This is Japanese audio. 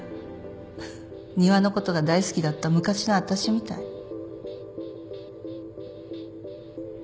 仁和のことが大好きだった昔の私みたい。